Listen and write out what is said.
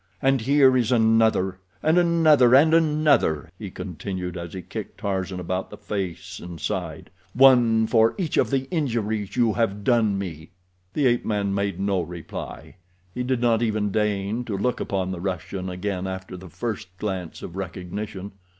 "And here is another, and another, and another," he continued, as he kicked Tarzan about the face and side. "One for each of the injuries you have done me." The ape man made no reply—he did not even deign to look upon the Russian again after the first glance of recognition.